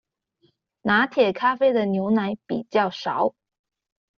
拿鐵咖啡的牛奶比較少